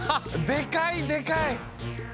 でかいでかい！